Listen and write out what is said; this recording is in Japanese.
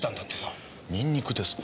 ニンニクですか。